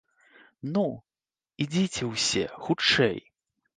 Ну, ідзіце ўсе, хутчэй!